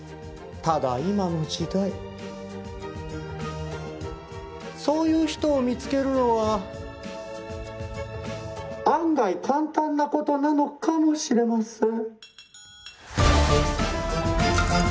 ただ今の時代そういう人を見つけるのは案外簡単な事なのかもしれません。